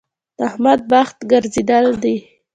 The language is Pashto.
د احمد بخت ګرځېدل دی.